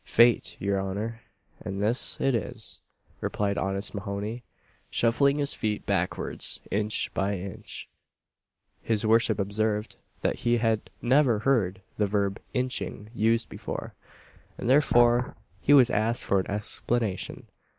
"Fait, your honour, an' this it is" replied honest Mahoney, shuffling his feet backwards, inch by inch. His worship observed, that he had never heard the verb "inching" used before, and therefore he had asked for an explanation.